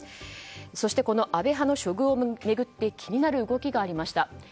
そして、安倍派の処遇を巡って気になる動きがありました。